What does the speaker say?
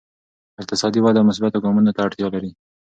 اقتصادي وده مثبتو ګامونو ته اړتیا لري.